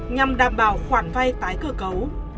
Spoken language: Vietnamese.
nhằm đảm bảo khoản vay tái cửa cấu